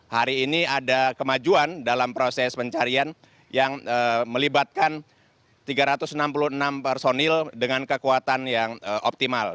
hari ini ada kemajuan dalam proses pencarian yang melibatkan tiga ratus enam puluh enam personil dengan kekuatan yang optimal